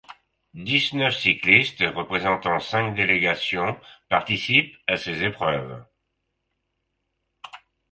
Dix-neuf cyclistes représentant cinq délégations participent à ces épreuves.